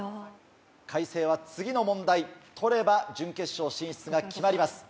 開成は次の問題取れば準決勝進出が決まります！